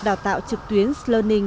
đào tạo trực tuyến slearning